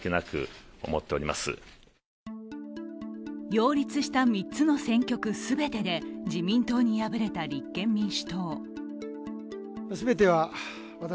擁立した３つの選挙区全てで自民党に敗れた立憲民主党。